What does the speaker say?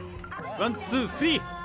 ワンツースリー！